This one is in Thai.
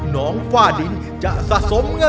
น้องฝ้าดิน